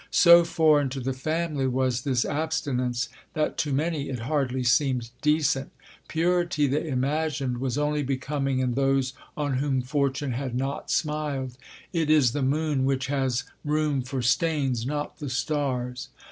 So foreign to the family was this abstinence, that to many it hardly seemed decent! Purity, they imagined, was only becoming in those on whom fortune had not smiled. It is the moon which has room for stains, not the stars.